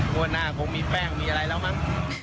หัวหน้าคงมีแป้งมีอะไรแล้วมั้ง